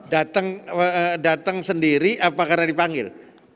datang sendiri apa karena dipanggil